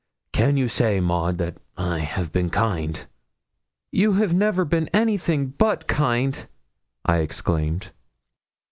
Can you say, Maud, that I have been kind?' 'You have never been anything but kind,' I exclaimed.